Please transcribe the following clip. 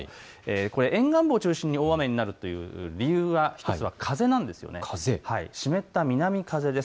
沿岸部を中心に大雨になるという理由、１つは風なんです。